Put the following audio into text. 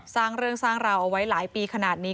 สร้างเรื่องสร้างราวเอาไว้หลายปีขนาดนี้